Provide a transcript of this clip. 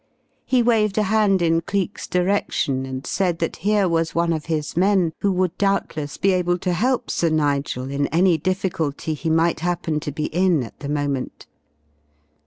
He waved a hand in Cleek's direction and said that here was one of his men who would doubtless be able to help Sir Nigel in any difficulty he might happen to be in at the moment.